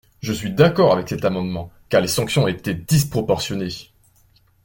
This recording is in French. Je suis d’accord avec cet amendement, car les sanctions étaient disproportionnées.